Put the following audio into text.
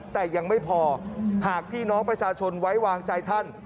แต่ยังไม่พอหากพี่น้องประชาชนไว้วางใจท่าน